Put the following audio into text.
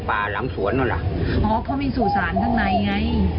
อ่าหรรรย์ไม่ใช่น่ะ